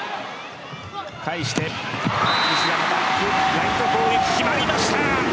西田のバックライト攻撃決まりました。